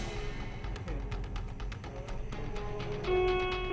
sulung adipati dan nur sherwin